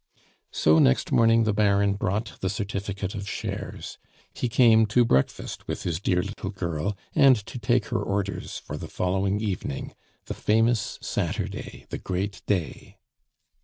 So next morning the Baron brought the certificate of shares; he came to breakfast with his dear little girl, and to take her orders for the following evening, the famous Saturday, the great day!